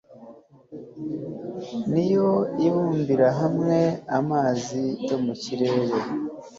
ni yo ibumbira hamwe amazi yo mu kirere